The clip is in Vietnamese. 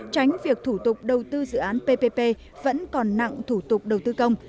tránh việc thủ tục đầu tư dự án ppp vẫn còn nặng thủ tục đầu tư công